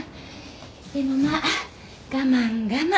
でもまあ我慢我慢。